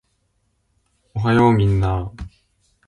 おはようみんなー